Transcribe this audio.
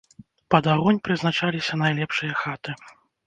Пад агонь прызначаліся найлепшыя хаты.